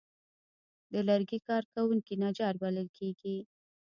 د لرګي کار کوونکي نجار بلل کېږي.